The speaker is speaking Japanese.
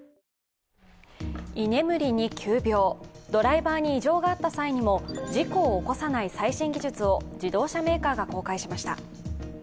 居眠りに急病、ドライバーに異常があった場合にも事故を起こさない最新技術を自動車メーカーが公開しました。